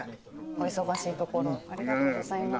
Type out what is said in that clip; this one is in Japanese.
お忙しいところありがとうございます。